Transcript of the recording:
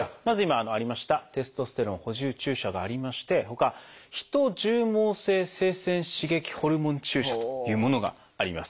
まず今ありました「テストステロン補充注射」がありましてほか「ヒト絨毛性性腺刺激ホルモン注射」というものがあります。